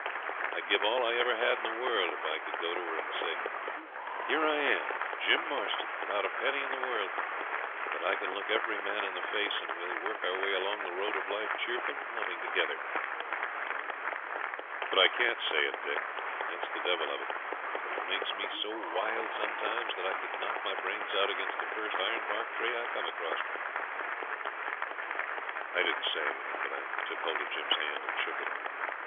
I'd give all I ever had in the world if I could go to her and say, "Here I am, Jim Marston, without a penny in the world, but I can look every man in the face, and we'll work our way along the road of life cheerful and loving together." But I CAN'T say it, Dick, that's the devil of it, and it makes me so wild sometimes that I could knock my brains out against the first ironbark tree I come across.' I didn't say anything, but I took hold of Jim's hand and shook it.